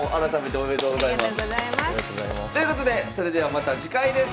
おめでとうございます。ということでそれではまた次回です。